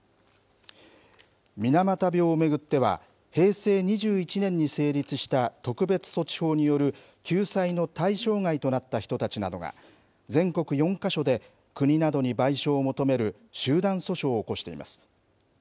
水俣病を巡っては平成２１年に成立した特別措置法による救済の対象外となった人たちなどが全国４か所で国などに賠償を求める集団訴訟を起こしています。